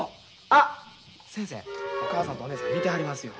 あっ先生お母さんとお姉さん見てはりますよ。